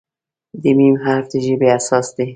د "م" حرف د ژبې اساس دی.